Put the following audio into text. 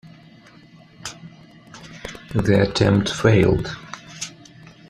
The attempt failed.